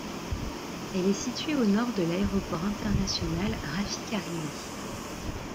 Elle est située au nord de l'aéroport international Rafic-Hariri.